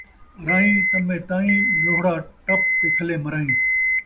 ارائیں طمے تئیں لوہڑا ٹپ تے کھلے مرائیں